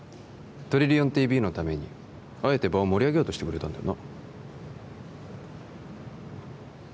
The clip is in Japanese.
トリリオンＴＶのためにあえて場を盛り上げようとしてくれたんだよな？